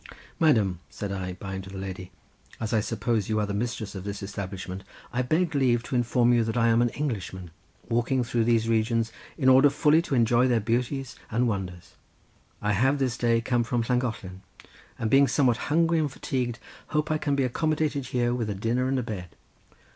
"Madam!" said I, bowing to the lady, "as I suppose you are the mistress of this establishment, I beg leave to inform you that I am an Englishman walking through these regions in order fully to enjoy their beauties and wonders. I have this day come from Llangollen, and being somewhat hungry and fatigued hope I can be accommodated, here with a dinner and a bed."